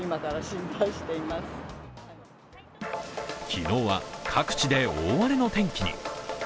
昨日は各地で大荒れの天気に。